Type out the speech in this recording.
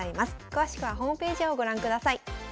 詳しくはホームページをご覧ください。